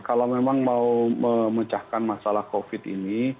kalau memang mau memecahkan masalah covid ini